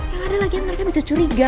ya gak ada lagi yang mereka bisa curiga